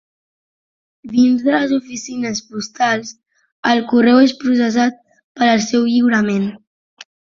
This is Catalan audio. Dins de les oficines postals el correu és processat per al seu lliurament.